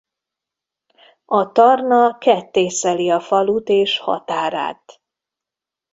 A Tarna kettészeli a falut és határát.